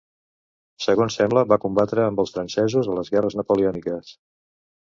Segons sembla, va combatre amb els francesos a les Guerres Napoleòniques.